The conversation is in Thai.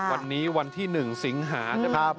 วันนี้วันที่๑สิงหา